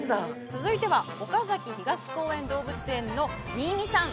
続いては岡崎市東公園動物園の新美さん